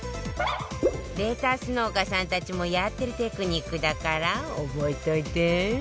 レタス農家さんたちもやってるテクニックだから覚えといて